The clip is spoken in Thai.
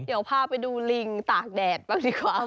เดี๋ยวพาไปดูลิงตากแดดบ้างดีกว่า